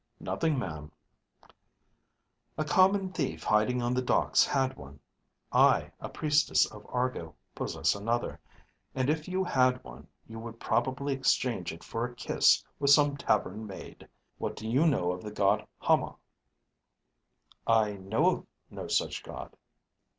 "Nothing, ma'am." "A common thief hiding on the docks had one; I, a priestess of Argo, possess another; and if you had one, you would probably exchange it for a kiss with some tavern maid. What do you know of the god Hama?" "I know of no such god."